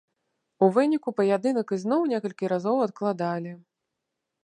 У выніку паядынак ізноў некалькі разоў адкладалі.